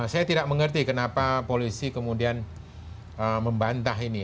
saya tidak mengerti kenapa polisi kemudian membantah ini